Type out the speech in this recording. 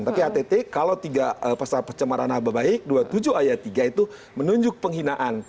tapi att kalau tiga pasal pencemaran haba baik dua puluh tujuh ayat tiga itu menunjuk penghinaan